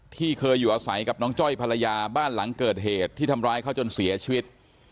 ที่เคยอยู่อาศัยกับน้องจ้อยภรรยาบ้านหลังเกิดเหตุที่ทำร้ายเขาจนเสียชีวิต